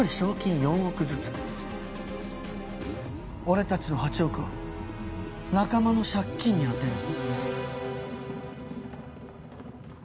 俺たちの８億は仲間の借金に充てる。